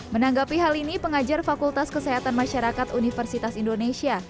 menanggapi hal ini pengajar fakultas kesehatan masyarakat universitas indonesia